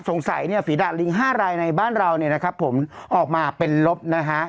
สงสัยเนี่ยฝีดาดลิง๕รายในบ้านเราเนี่ยนะครับผมออกมาเป็นลบนะฮะ